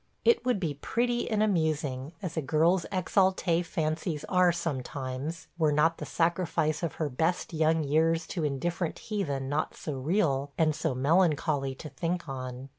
It would be pretty and amusing, as a girl's exalté fancies are sometimes, were not the sacrifice of her best young years to indifferent heathen not so real and so melancholy to think on.